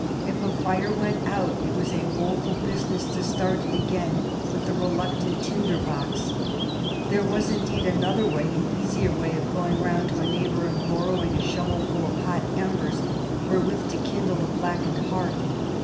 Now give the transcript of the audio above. If a fire went out it was a woful business to start it again with the reluctant tinder box. There was, indeed, another way, an easier way, of going round to a neighbor and borrowing a shovelful of hot embers wherewith to kindle the blackened hearth.